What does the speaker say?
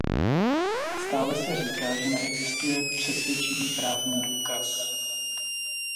Stále se říká, že neexistuje přesvědčivý právní důkaz.